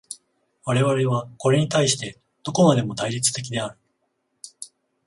我々はこれに対してどこまでも対立的である。